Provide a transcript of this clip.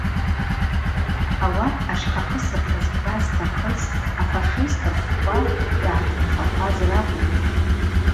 Ауат ащхъахъысыртаква зкӏра зтахъыз афашист рхъвква йгӏартынхакваз ракӏвын.